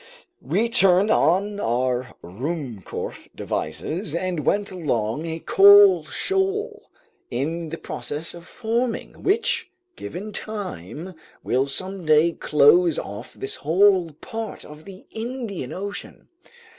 We turned on our Ruhmkorff devices and went along a coral shoal in the process of forming, which, given time, will someday close off this whole part of the Indian Ocean.